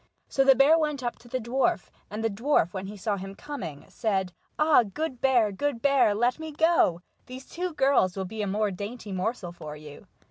So the bear went up to the dwarf, and the dwarf,, when he saw him coming, said : "Ah! good bear! good bear! let me go. These two girls will be a more dainty morsel for you."